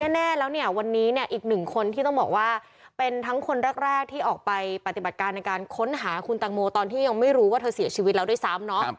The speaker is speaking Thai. แน่แล้วเนี่ยวันนี้เนี่ยอีกหนึ่งคนที่ต้องบอกว่าเป็นทั้งคนแรกที่ออกไปปฏิบัติการในการค้นหาคุณตังโมตอนที่ยังไม่รู้ว่าเธอเสียชีวิตแล้วด้วยซ้ำเนาะ